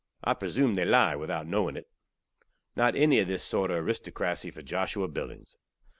I presume they lie without knowing it. Not enny ov this sort ov aristokrasy for Joshua Billings.